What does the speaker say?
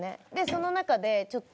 その中でちょっと。